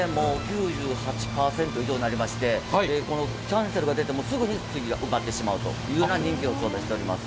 ９８％以上になりまして、キャンセルが出てもすぐに次が埋まってしまうという人気をちょうだいしています。